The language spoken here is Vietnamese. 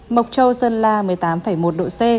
mộc châu sơn la một mươi tám một độ c